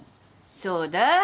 そうだ。